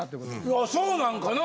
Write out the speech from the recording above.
いやそうなんかな？